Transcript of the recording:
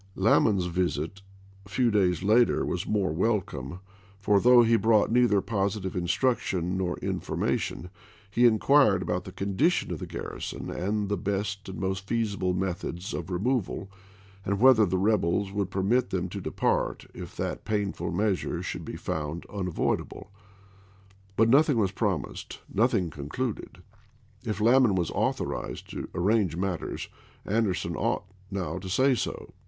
i", p. 211. * Lamon's visit a few days later was more welcome ; ApmMsei. for though he brought neither positive instruction i'., p". 294. ' nor information, he inquired about the condition of the garrison, and the best or most feasible methods of removal, and whether the rebels would permit them to depart if that painful measure should be pjckens found unavoidable ; but nothing was promised, gaS Ma?i nothing concluded. " If Lamon was authorized to w. e. voi. arrange matters, Anderson ought now to say so," "' 282.